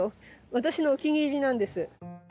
私のお気に入りなんです。